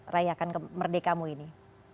rayakan merdekamu ini